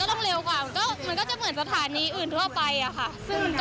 ต้องเร็วกว่ามันก็มันก็จะเหมือนสถานีอื่นทั่วไปอะค่ะ